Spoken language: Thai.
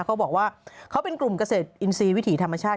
เขาบอกว่าเขาเป็นกลุ่มเกษตรอินทรีย์วิถีธรรมชาติ